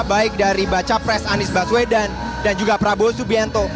baik dari baca pres anies baswedan dan juga prabowo subianto